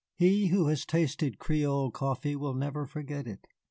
He who has tasted Creole coffee will never forget it.